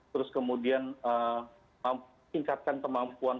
terus kemudian meningkatkan kemampuan